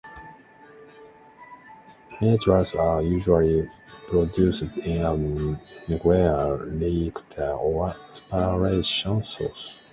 Neutrons are usually produced in a nuclear reactor or spallation source.